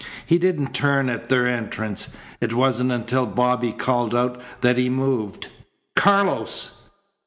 He didn't turn at their entrance. It wasn't until Bobby called out that he moved. "Carlos!"